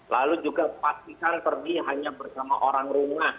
lalu juga pastikan pergi hanya bersama orang rumah